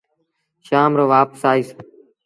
شآم رو وآپس آئيٚس